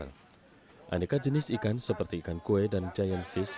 aneka jenis ikan seperti ikan kue dan giant fish